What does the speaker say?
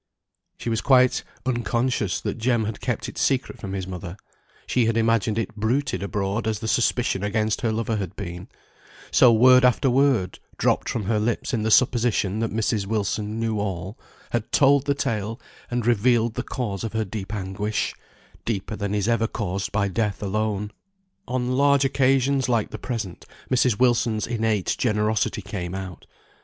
She was quite unconscious that Jem had kept it secret from his mother; she had imagined it bruited abroad as the suspicion against her lover had been; so word after word (dropped from her lips in the supposition that Mrs. Wilson knew all) had told the tale and revealed the cause of her deep anguish; deeper than is ever caused by Death alone. On large occasions like the present, Mrs. Wilson's innate generosity came out.